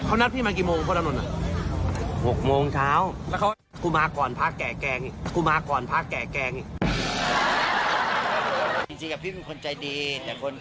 คนละไม่รู้ว่าอันไหนเล่นอันไหนจริง